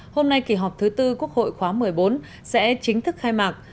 hôm nay kỳ họp thứ tư quốc hội khóa một mươi bốn sẽ chính thức khai mạc